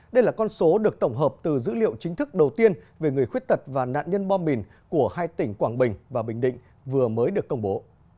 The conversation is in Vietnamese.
đây là con số được tổng hợp từ dữ liệu chính thức đầu tiên về người khuyết tật và nạn nhân bom mìn của hai tỉnh quảng bình và bình định vừa mới được công bố